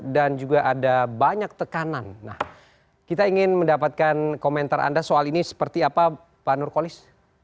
dan juga ada banyak tekanan kita ingin mendapatkan komentar anda soal ini seperti apa pak nurkolis